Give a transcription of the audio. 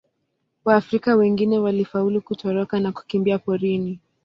Waafrika wengine walifaulu kutoroka na kukimbia porini.